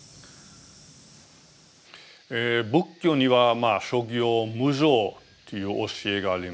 仏教には「諸行無常」という教えがあります。